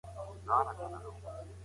سياست د علم په څېر منل کيږي.